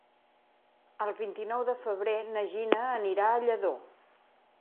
El vint-i-nou de febrer na Gina anirà a Lladó.